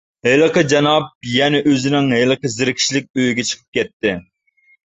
ھېلىقى جاناب يەنە ئۆزىنىڭ ھېلىقى زېرىكىشلىك ئۆيىگە چىقىپ كەتتى.